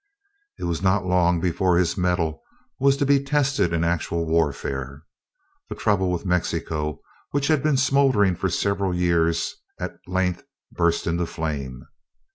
It was not long before his mettle was to be tested in actual warfare. The trouble with Mexico which had been smouldering for several years at length burst into flame.